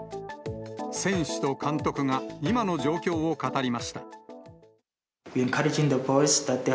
選手と監督が今の状況を語りました。